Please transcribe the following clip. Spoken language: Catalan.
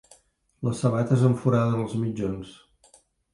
Les sabates em foraden els mitjons.